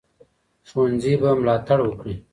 ښوونځي به ملاتړ وکړي.